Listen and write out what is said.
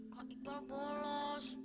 kak iqbal bolos